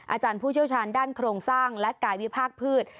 อาจารย์ผู้เชี่ยวชาญด้านโครงสร้างและกายวิภาคพืช